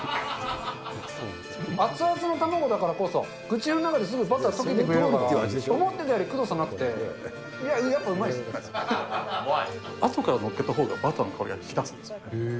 熱々の卵だからこそ、口の中ですぐバターが溶けてくれるから、思ってたよりくどさなくあとから載せたほうがバターの香りが引き立つんですよ。